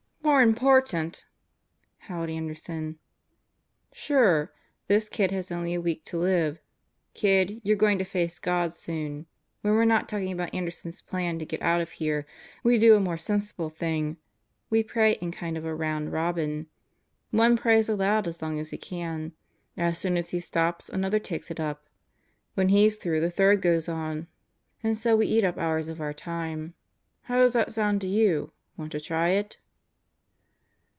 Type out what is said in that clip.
"More important?" howled Anderson. "Sure. This kid has only a week to live. Kid, you're going to face God soon. When we're not talking about Anderson's plan to get out of here, we do a much more sensible thing. We pray in kind of a round robin. One prays aloud as long as he can. As Satan in the Cell Block 85 soon as he stops another takes It up. When he's through, the third goes on. And so we eat up hours of our time. How does that sound to you? Want to try it?"